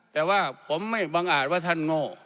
แต่ว่าผมไม่บังอาจว่าท่านโง่